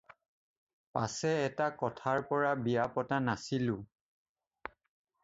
পাচে এটা কথাৰ পৰা বিয়া পতা নাছিলোঁ।